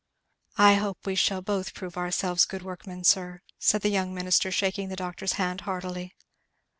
"I hope we shall both prove ourselves good workmen, sir," said the young minister, shaking the doctor's hand heartily.